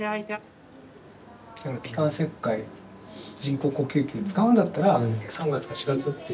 気管切開、人工呼吸器を使うんだったら３月か４月。